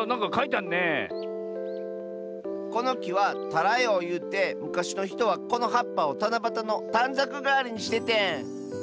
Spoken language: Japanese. このきは「タラヨウ」ゆうてむかしのひとはこのはっぱをたなばたのたんざくがわりにしててん。